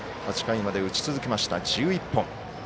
８回まで打ち続けました１１本。